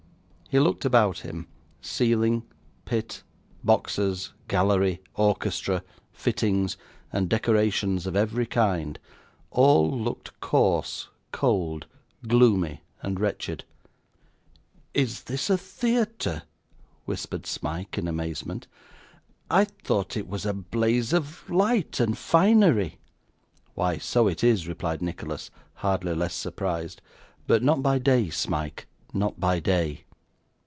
He looked about him; ceiling, pit, boxes, gallery, orchestra, fittings, and decorations of every kind, all looked coarse, cold, gloomy, and wretched. 'Is this a theatre?' whispered Smike, in amazement; 'I thought it was a blaze of light and finery.' 'Why, so it is,' replied Nicholas, hardly less surprised; 'but not by day, Smike not by day.